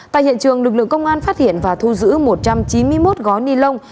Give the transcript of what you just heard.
tại hiện trường lực lượng công an phát hiện và thu giữ một trăm chín mươi một gói ni lông